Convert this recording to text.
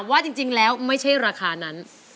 ว่าจริงแล้วไม่ใช่ราคานั้น